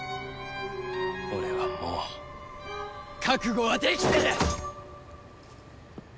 俺はもう覚悟はできてる！